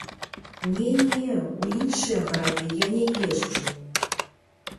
Не-не, у іншыя гарады я не езджу.